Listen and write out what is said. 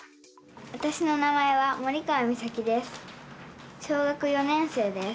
わたしの名前は森川実咲です。